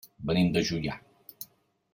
Venim de Juià.